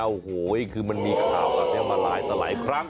โอ้โหคือมันมีข่าวแบบนี้มาหลายต่อหลายครั้ง